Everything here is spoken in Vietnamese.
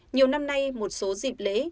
nhiều năm nay một số dịp lễ